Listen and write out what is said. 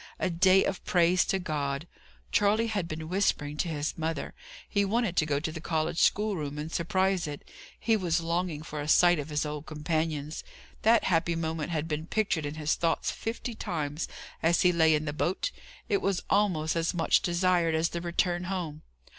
A day of praise to God. Charley had been whispering to his mother. He wanted to go to the college schoolroom and surprise it. He was longing for a sight of his old companions. That happy moment had been pictured in his thoughts fifty times, as he lay in the boat; it was almost as much desired as the return home.